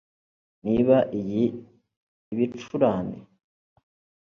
niba iyi ibicurane